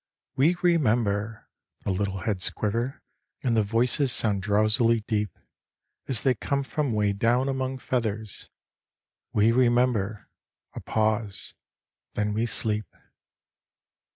"We remember"—the little heads quiver And the voices sound drowsily deep, As they come from 'way down among feathers; "We remember"—a pause—"then we sleep."